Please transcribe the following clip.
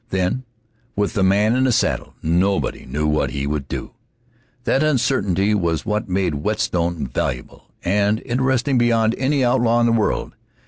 Then, with the man in the saddle, nobody knew what he would do. That uncertainty was what made Whetstone valuable and interesting beyond any outlaw in the world.